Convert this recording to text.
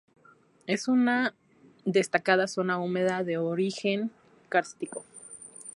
Es una destacada zona húmeda de origen kárstico.